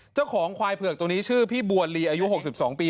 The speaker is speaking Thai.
เจ้าของควายเผือกตรงนี้ชื่อพี่บัวลีอายุ๖๒ปี